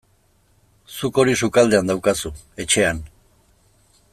Zuk hori sukaldean daukazu, etxean.